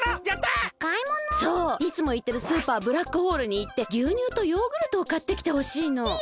そういつもいってるスーパーブラックホールにいってぎゅうにゅうとヨーグルトをかってきてほしいの。